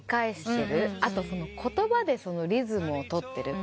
あと言葉でリズムを取ってる。